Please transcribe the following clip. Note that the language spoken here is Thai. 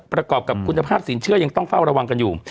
ประกอบกับคุณภาพสินเชื่อยังต้องเฝ้าระวังกันอยู่